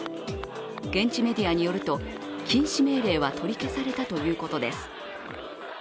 現地メディアによると禁止命令は取り消されたということです。